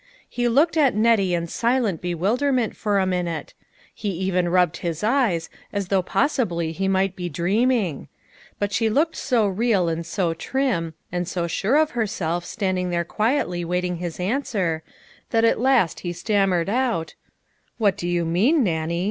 He looked at Nettie in silent bewilder ment for a minute ; he even rubbed his eyes as though possibly he might be dreaming ; but she looked so real and so trim, and so sure of herself standing there quietly waiting his answer, that at last he stammered out :" What do you mean, Nannie?